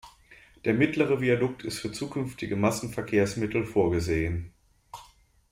Der mittlere Viadukt ist für zukünftige Massenverkehrsmittel vorgesehen.